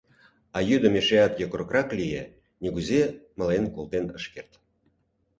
А йӱдым эшеат йокрокрак лие, нигузе мален колтен ыш керт.